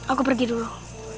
aku pergi dulu